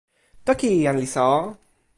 toki, jan Lisa o.